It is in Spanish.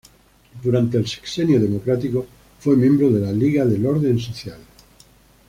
Durante el Sexenio Democrático fue miembro de la Liga del Orden Social.